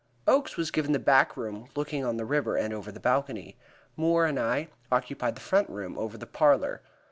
Oakes was given the back room looking on the river, and over the balcony; Moore and I occupied the front room, over the parlor.